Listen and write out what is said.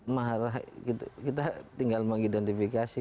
marah kita tinggal mengidentifikasi